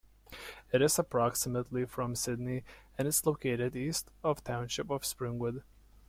It is approximately from Sydney and is located east of the township of Springwood.